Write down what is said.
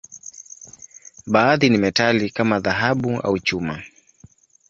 Baadhi ni metali, kama dhahabu au chuma.